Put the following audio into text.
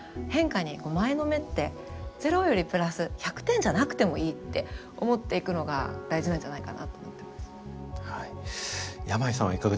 変化に前のめってゼロよりプラス１００点じゃなくてもいいって思っていくのが大事なんじゃないかなと思ってますね。